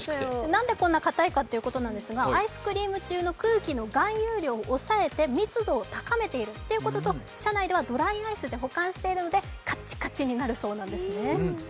なんでこんなにかたいのかというと、アイスクリーム中の空気の含有量を抑えて密度を高めているということと、車内ではドライアイスで保管しているので、カッチカチになるそうなんですね。